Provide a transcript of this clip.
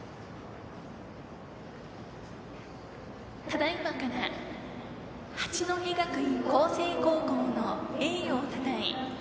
ただいまから八戸学院光星高校の栄誉をたたえ